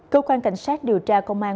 cơ quan cảnh sát điều tra công an